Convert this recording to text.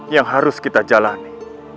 yang harus kita jalani